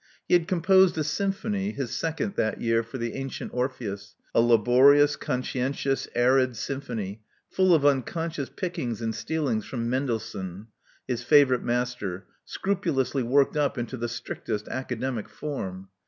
He had composed a symphony — his second — that year for the Antient Orpheus: a laborious, conscientious, arid symphony, full of unconscious pickings and stealings from Mendelssohn, his favorite master, scrupulously worked up into the strictest academic form.